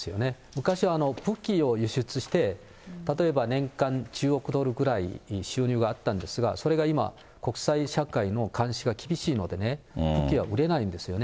昔は武器を輸出して例えば年間１０億ドルぐらい収入があったんですが、それが今、国際社会の監視が厳しいのでね、武器は売れないんですよね。